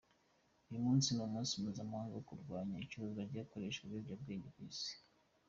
Uyu munsi ni umunsi mpuzamahanga wo kurwanya icuruzwa n’ikoreshwa ry’ibiyobyabwenge ku isi.